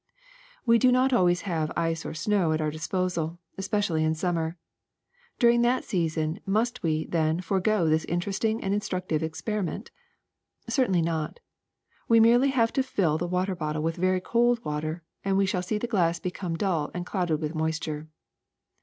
We do not always have ice or snow at our dis posal, especially in summer. During that season must we, then, forego this interesting and instructive experiment 1 Certainly not. We merely have to fill the water bottle with very cold water and we shall see the glass become dull and clouded with moisture.